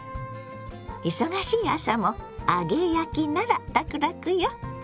忙しい朝も揚げ焼きならラクラクよ。